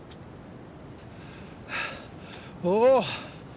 おお！